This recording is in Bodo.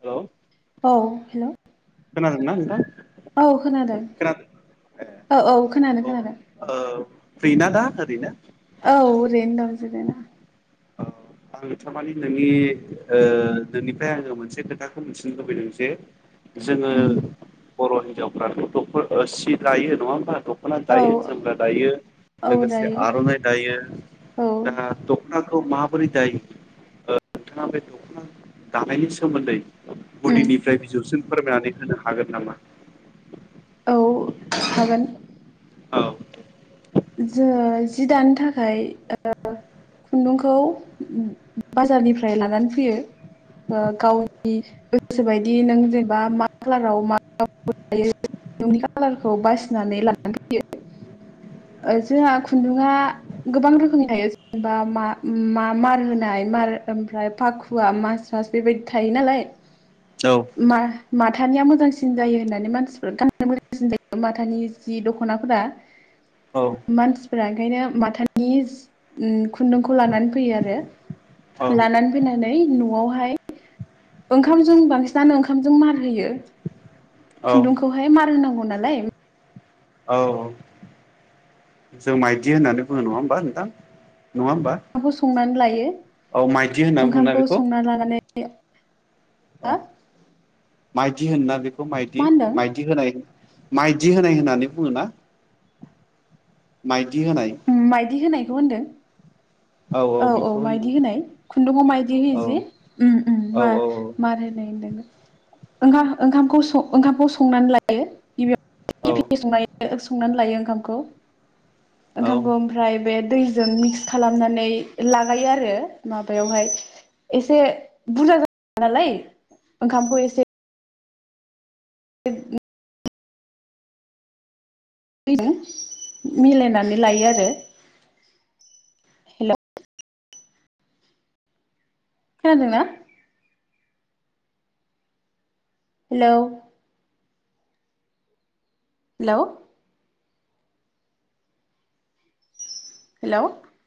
हेल' औ हेल' खोनादोंना नोंथां? औ खोनादों ए औ औ खोनादों खोनादों। फ्रि न दा ओरैनो? औ ओरैनो दं जिरायना। औ आं थारमाने नोंनि ओ नोंनिफ्राय आङो मोनसे खोथाखौ मिथिनो लुबैदों जे जोङो उम बर' हिनजावफ्राथ' दखना सि दायो नङा होमबा दख दख'ना औ दायो जोमग्रा दायो औ लोगोसे दायो आर'नाइ दायो। औ दा दख'ना खौ माबोरै दायो ओ नोंथाङा बे दख'ना दानायनि सोमोन्दै- उम गुदिनिफ्राय बिजौसिन फोरमायनानै होनो हागोन नामा? औ हागोन। औ जोङो जि दानो थाखाय ओ - खुन्दुंखौ बाजारनिफ्राय लानानै फैयो। ओ औ गावनि गोसो बायदि नों जेनेबा मा कलाराव मा नोंनि कालारखौ बासिनानै लानानै फैयो। ओ जोंहा खुन्दुंआ गोबां रोखोमनि थायो। जेनेबा मा मार होनाय मा ओमफ्राय फाखुवा मास्रास बेबायदि थायो नालाय औ म माथानिया मोजांसिन जायो होननानै मानसिफ्रा गानो मोजांसिन जायो माथानि जि दख'नाफोरा‌। औ फोरा ओंखायनो माथानि खुन्दुंखौ लानानै फैयो आरो। औ लानानै फैनानै न'आवहाय ओंखामजों बांसिनानो ओंखामजों मार होयो। औ खुन्दुंखौहाय मार होनांगौ नालाय। औ जों माइदि होननानै बुङो नङा होमबा नोंथां नङा होमबा। ओंखामखौ संनानै लायो औ माइदि होनना बुङोना ओंखामखौ बेखौ संनानै लानानै औ [inaudible] माइदि होना बेखौ माइदि होनदों माइदि होनाय। माइदि होनाय होननानै बुङोना माइदि होनाय। मायदि होनायखौ होनदों। औ। औ औ बेखौ होनो मायदि होनाय खुन्दुंआव मायदि होयो औ जि औ मार होनाय होनदों। ओंखाम ओंखामखौ संनानै लायो गिबियाव औ गेफे संनाय संनानै लायो ओंखामखौ औ ओंखामखौ आमफ्राय। जों मिक्स खालामनानै लागायो आरो माबायावहाय एसे बुरजा। नालाय ओंखामखौ एसे [inaudible] [unintelligible] मिलायनानै लायो आरो हेल'। खोनादोंना? हेलौ। हेल'। हेल'!